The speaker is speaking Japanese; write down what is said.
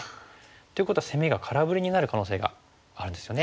っていうことは攻めが空振りになる可能性があるんですよね。